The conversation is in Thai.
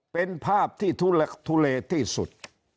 เป็นภาพที่ทุลักทุเลที่สุด